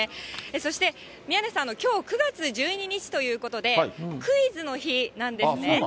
そして宮根さん、きょう９月１２日ということで、クイズの日なんですね。